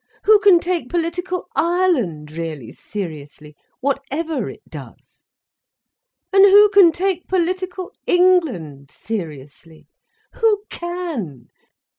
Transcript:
Who can take political Ireland really seriously, whatever it does? And who can take political England seriously? Who can?